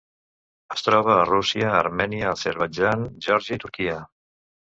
Es troba a Rússia, Armènia, Azerbaidjan, Geòrgia i Turquia.